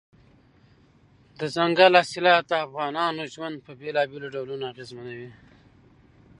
دځنګل حاصلات د افغانانو ژوند په بېلابېلو ډولونو اغېزمنوي.